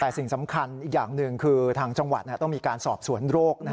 แต่สิ่งสำคัญอีกอย่างหนึ่งคือทางจังหวัดต้องมีการสอบสวนโรค